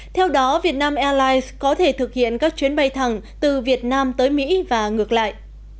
theo đó vietnam airlines có thể thực hiện các chuyến bay thẳng từ việt nam tới mỹ và ngược lại